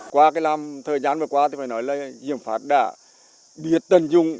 qua cái năm thời gian vừa qua thì phải nói là diễm pháp đã biết tận dung